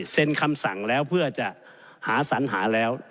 คำสั่งแล้วเพื่อจะหาสัญหาแล้ว